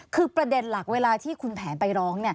คือประเด็นหลักเวลาที่คุณแผนไปร้อง